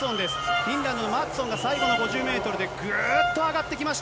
フィンランドのマッツォンが最後の５０メートルでぐーっと上がってきました、